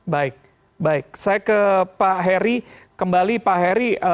baik baik saya ke pak heri kembali pak heri